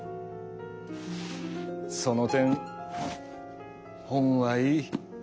その点本はいい。